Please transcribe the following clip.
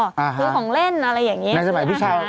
คือของเล่นอะไรอย่างนี้คืออาหาร